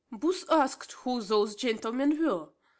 Booth asked who those gentlemen were.